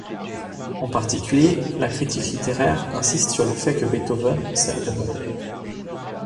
En particulier, la critique littéraire insiste sur le fait que Beethoven sert de modèle.